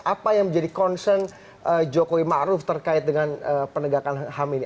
apa yang menjadi concern jokowi ma'ruf terkait dengan penegakan ham ini